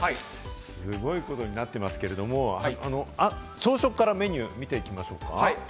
すごいことになってますけど、朝食からメニューを見ていきましょうか。